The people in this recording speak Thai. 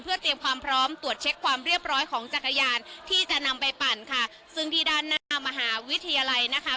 เพื่อเตรียมความพร้อมตรวจเช็คความเรียบร้อยของจักรยานที่จะนำไปปั่นค่ะซึ่งที่ด้านหน้ามหาวิทยาลัยนะคะ